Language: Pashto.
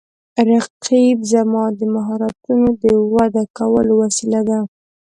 رقیب زما د مهارتونو د وده کولو وسیله ده